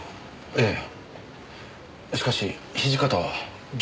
ええ。